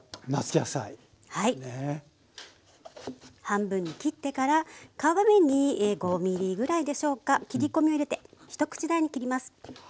半分に切ってから皮目に５ｍｍぐらいでしょうか切り込みを入れて一口大に切ります。